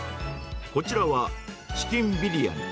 こちらは、チキンビリヤニ。